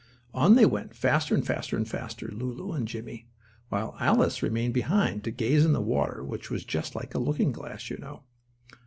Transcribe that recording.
On they went, faster and faster and faster, Lulu and Jimmie, while Alice remained behind, to gaze in the water which was just like a looking glass, you know.